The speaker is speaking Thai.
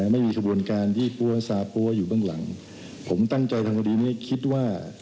ไม่มีขบวนการยี่ปั้วซาปั้วอยู่เบื้องหลังผมตั้งใจทำคดีนี้คิดว่า